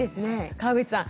川口さん